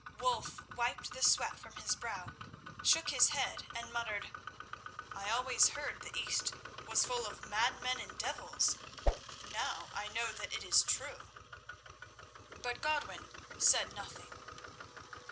Wulf wiped the sweat from his brow, shook his head, and muttered: "I always heard the East was full of madmen and devils; now I know that it is true." But Godwin said nothing.